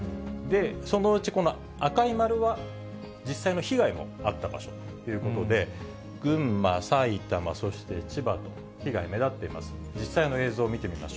そのうち、この赤い丸は実際の被害もあった場所ということで、群馬、埼玉、そして千葉と、被害目立っています。